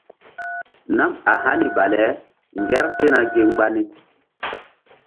Nam a hani bale ŋger sena gi mgba ni.